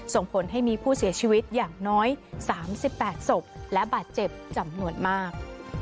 ส่งผลให้มีผู้เสียชีวิตอย่างน้อย๓๘ศพและบาดเจ็บจำนวนมาก